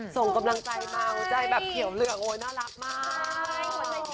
ส่งกำลังใจมาหัวใจแบบเขียวเหลืองโอ๊ยน่ารักมาก